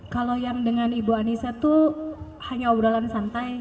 kalau yang dengan ibu anissa tuh hanya obrolan santai